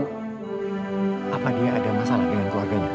bagaimana dia bisa masuk sekolah dengan baju yang umel dan bau